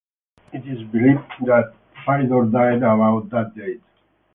It is believed that Fyodor died about that date.